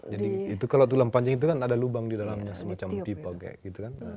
jadi itu kalau tulang panjang itu kan ada lubang di dalamnya semacam pipa kayak gitu kan